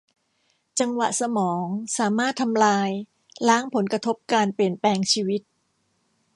จังหวะสมองสามารถทำลายล้างผลกระทบการเปลี่ยนแปลงชีวิต